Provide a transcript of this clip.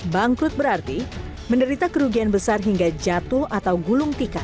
bangkrut berarti menderita kerugian besar hingga jatuh atau gulung tikar